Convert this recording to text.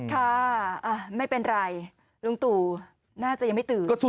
ค่ะไม่เป็นไรลุงตู่น่าจะยังไม่ตื่น